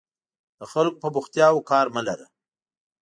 د خلکو په بوختیاوو کار مه لره.